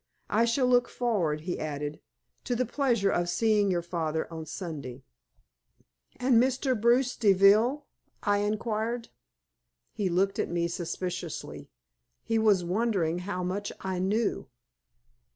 I shall look forward," he added, "to the pleasure of seeing your father on Sunday." "And Mr. Bruce Deville?" I inquired. He looked at me suspiciously. He was wondering how much I knew.